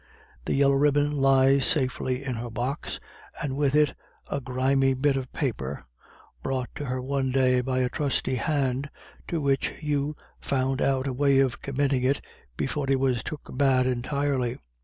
The yellow ribbon lies safely in her box, and with it a grimy bit of paper, brought to her one day by a trusty hand, to which Hugh found out a way of committing it "before he was took bad entirely."